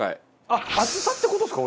あっ厚さって事ですか？